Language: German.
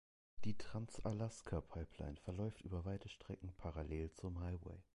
Die Trans-Alaska-Pipeline verläuft über weite Strecken parallel zum Highway.